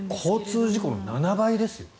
交通事故の７倍ですよ